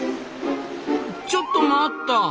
ちょっと待った！